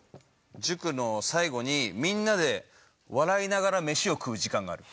塾の最後にみんなで笑いながら飯を食う時間がある。